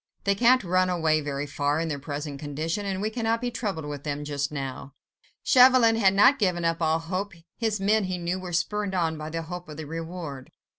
They can't run away very far, in their present condition, and we cannot be troubled with them just now." Chauvelin had not given up all hope. His men, he knew, were spurred on by the hope of the reward.